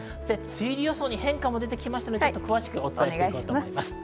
梅雨入り予想に変化も出てきましたので、詳しくお伝えします。